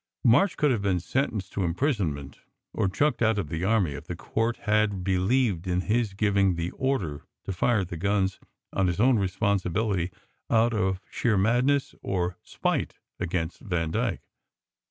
March could have been sentenced to imprisonment or chucked out of the army if the court had believed in his giving the order to fire the guns on his 174 SECRET HISTORY own responsibility out of sheer madness, or spite against Vandyke.